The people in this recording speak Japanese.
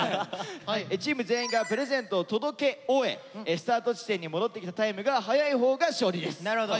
チーム全員がプレゼントを届け終えスタート地点に戻ってきたタイムが早いほうが勝利です。